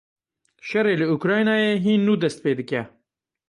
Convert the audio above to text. Şerê li Ukraynayê hîn nû dest pê dike.